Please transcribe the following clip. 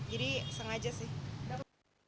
jadi sengaja sih